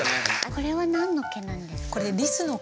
これは何の毛なんですか？